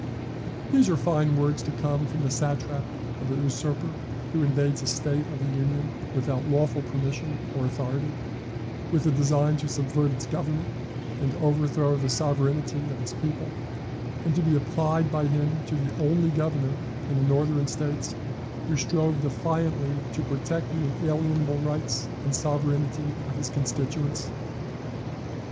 These are fine words to come from the satrap of a usurper who invades a State of the Union without lawful permission or authority, with the design to subvert its government and overthrow the sovereignty of its people, and to be applied by him to the only Governor in the Northern States who strove defiantly to protect the unalienable rights and sovereignty of his constituents!